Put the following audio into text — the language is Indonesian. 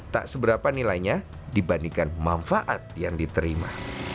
tak seberapa nilainya dibandingkan manfaat yang diterima